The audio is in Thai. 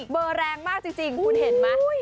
เบอร์แรงมากจริงคุณเห็นไหม